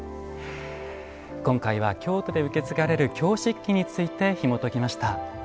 今回は京都で受け継がれる京漆器についてひもときました。